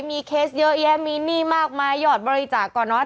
มีเคสเยอะแยะมีหนี้มากมายยอดบริจาคก่อนน้อย